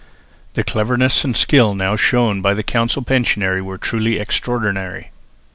The cleverness and skill now shown by the council pensionary were truly extraordinary.